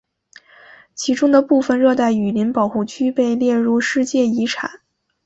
其中的部分热带雨林保护区被列入世界遗产。